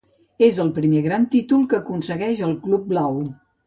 És el primer gran títol que aconsegueix el club blau.